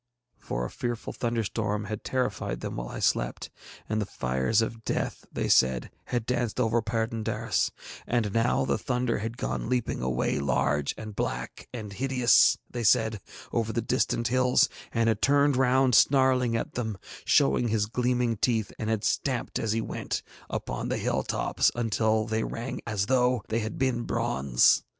For a fearful thunderstorm had terrified them while I slept, and the fires of death, they said, had danced over Perd├│ndaris, and now the thunder had gone leaping away large and black and hideous, they said, over the distant hills, and had turned round snarling at them, showing his gleaming teeth, and had stamped, as he went, upon the hill tops until they rang as though they had been bronze.